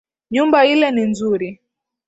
Nyumba ile ni nzuri